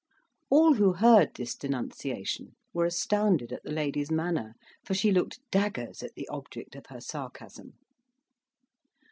All who heard this denunciation were astounded at the lady's manner, for she looked daggers at the object of her sarcasm.